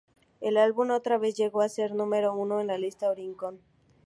El álbum otra vez llegó a ser número uno en la lista "Oricon".